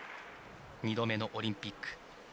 ２度目のオリンピック。